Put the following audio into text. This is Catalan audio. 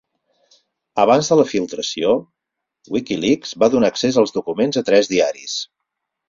Abans de la filtració, WikiLeaks va donar accés als documents a tres diaris.